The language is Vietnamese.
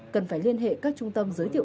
cần phải liên hệ các trung tâm giới thiệu